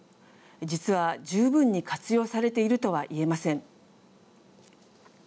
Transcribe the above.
実は、十分に活用されているとは言えません。